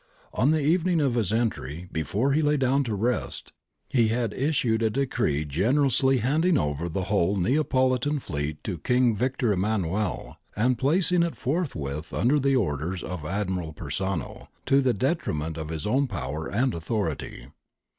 On the evening of his < ntry, before he lay down to rest, he had issued a decree generously handing over the whole Neapolitan fleet to King Victor Emmanuel, and placing it forthwith under the orders of Admiral Persano, to the detriment of his own power and authority.